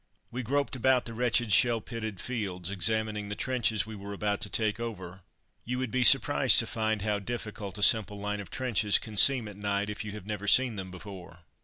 We groped about the wretched shell pitted fields, examining the trenches we were about to take over. You would be surprised to find how difficult a simple line of trenches can seem at night if you have never seen them before.